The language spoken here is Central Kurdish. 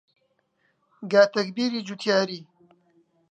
گا تەکبیری جووتیاری